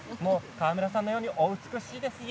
川村さんのようにお美しいですよ。